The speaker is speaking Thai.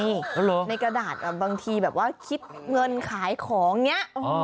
หรอในกระดาษบางทีแบบว่าคิดเงินขายของเนี้ย